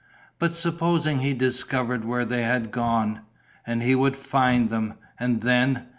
But supposing he discovered where they had gone! And he would find them!... And then